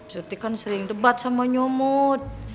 surti kan sering debat sama nyumut